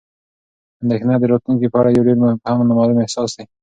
اندېښنه د راتلونکي په اړه یو ډېر مبهم او نامعلوم احساس دی.